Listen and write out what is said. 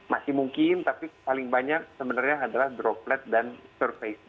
masih mungkin tapi paling banyak sebenarnya adalah droplet dan surface